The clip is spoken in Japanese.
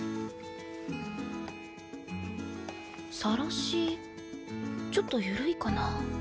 さらしちょっとゆるいかな。